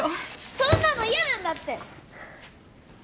そんなの嫌なんだって！